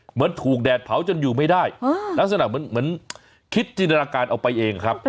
เหมือนถูกแดดเผาจนอยู่ไม่ได้ลักษณะเหมือนคิดจินตนาการเอาไปเองครับ